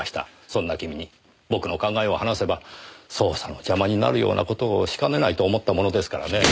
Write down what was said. そんな君に僕の考えを話せば捜査の邪魔になるような事をしかねないと思ったものですからねぇ。